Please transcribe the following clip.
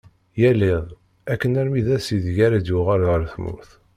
Yal iḍ akken armi d ass ideg ara d-yuɣal ɣer tmurt.